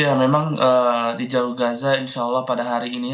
ya memang di jauh gaza insya allah pada hari ini